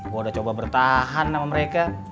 gue udah coba bertahan sama mereka